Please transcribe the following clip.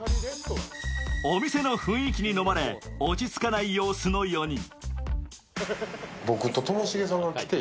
お店の雰囲気にのまれ落ち着かない様子の４人。